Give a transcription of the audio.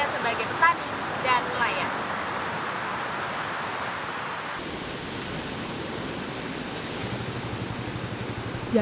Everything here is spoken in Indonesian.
sehingga mayoritas bekerja sebagai petani dan wilayah